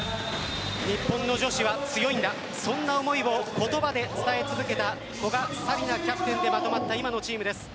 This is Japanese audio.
日本の女子は強いんだそんな思いを言葉で伝え続けた古賀紗理那キャプテンでまとまった今のチームです。